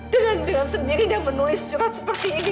dengan dengan sendiri yang menulis surat seperti ini